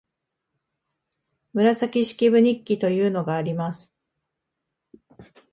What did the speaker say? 「紫式部日記」というのがあります